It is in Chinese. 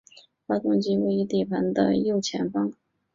发动机位于底盘的右前方。